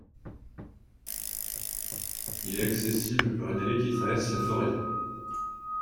Il est accessible par une allée qui traverse la forêt.